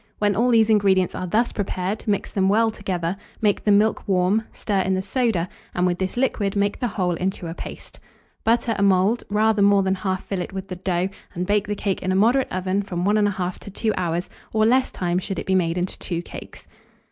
When all these ingredients are thus prepared, mix them well together; make the milk warm, stir in the soda, and with this liquid make the whole into a paste. Butter a mould, rather more than half fill it with the dough, and bake the cake in a moderate oven from 1 1/2 to 2 hours, or less time should it be made into 2 cakes.